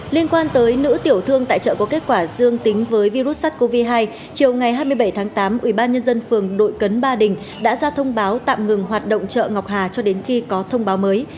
liên quan tới nữ tiểu thương tại chợ có kết quả dương tính với virus sars cov hai chiều ngày hai mươi bảy tháng tám ubnd phường đội cấn ba đình đã ra thông báo tạm ngừng hoạt động chợ ngọc hà cho đến khi có thông báo mới